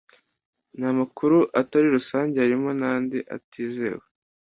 n amakuru atari rusange harimo nandi atizewe